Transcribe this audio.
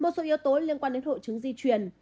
một số yếu tố liên quan đến hội chứng di truyền